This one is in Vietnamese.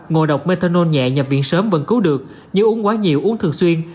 ngộ độc metanol nhẹ nhập viện sớm vẫn cứu được nhưng uống quá nhiều uống thường xuyên